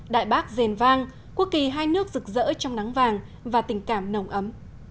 đại bác rền vang quốc kỳ hai nước rực rỡ trong nắng vàng và tình cảm nồng ấm